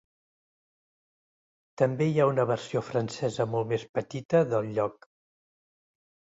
També hi ha una versió francesa molt més petita del lloc.